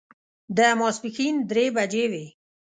د ماسپښین درې بجې وې.